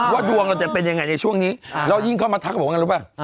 ว่าดวงเราจะเป็นยังไงในช่วงนี้อ่าแล้วยิ่งเข้ามาทักกับผมกันรู้เพราะ